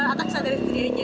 atau kesadaran sendiri aja